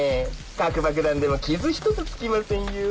核爆弾でも傷ひとつ付きませんよ